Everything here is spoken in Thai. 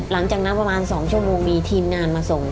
หลังจากนั้นประมาณ๒ชั่วโมงมีทีมงานมาส่ง